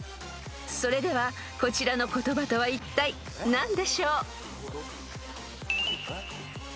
［それではこちらの言葉とはいったい何でしょう？］